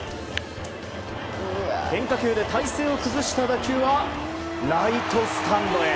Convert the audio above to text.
変化球で体勢を崩した打球はライトスタンドへ。